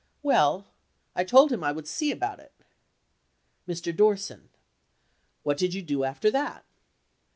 Well, I told him I would see about it. Mr. Dorset*. What did you do after that?